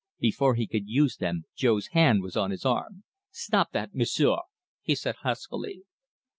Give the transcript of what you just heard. Before he could use them, Jo's hand was on his arm. "Stop that, M'sieu'!" he said huskily.